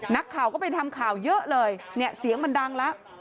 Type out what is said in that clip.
นักข่าวก็ไปทำข่าวเยอะเลยเนี่ยเสียงมันดังแล้ว